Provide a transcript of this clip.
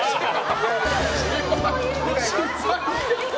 失敗。